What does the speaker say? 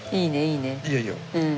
いいよいいよ。